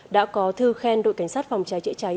đã có thư khen đội cảnh sát phòng trái trễ trái